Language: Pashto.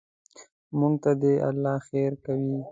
موږ ته دې الله خیر کوي.